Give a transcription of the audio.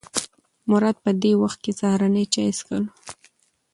مراد په دې وخت کې سهارنۍ چای څښله.